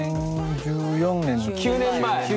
９年前。